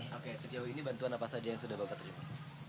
oke sejauh ini bantuan apa saja yang sudah bapak terima